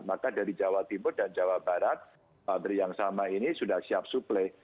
maka dari jawa timur dan jawa barat pabrik yang sama ini sudah siap suplai